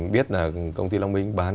biết là công ty long minh bán